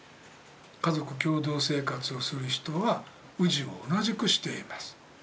家族共同生活をする人は氏を同じくしています。